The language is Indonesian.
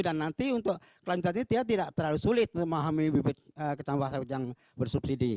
dan nanti untuk kelanjutan itu tidak terlalu sulit memahami bibit kecambah sawit yang bersubsidi